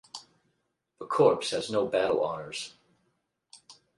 The Corps has no battle honours.